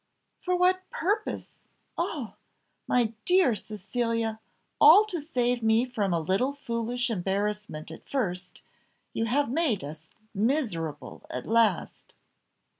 "For what purpose, oh! my dear Cecilia! All to save me from a little foolish embarrassment at first, you have made us miserable at last."